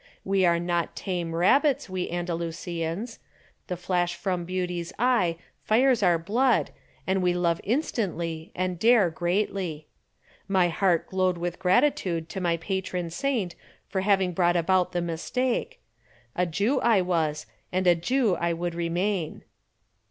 We are not tame rabbits, we Andalusians: the flash from beauty's eye fires our blood and we love instantly and dare greatly. My heart glowed with gratitude to my patron saint for having brought about the mistake; a Jew I was and a Jew I would remain.